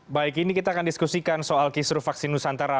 baik ini kita akan diskusikan soal kisru vaksin nusantara